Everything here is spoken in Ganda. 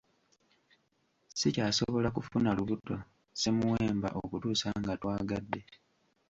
Sikyasobola kufuna lubuto Ssemuwemba okutuusa nga twagadde.